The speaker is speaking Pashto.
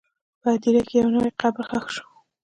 په هدیره کې یو نوی قبر ښخ شو.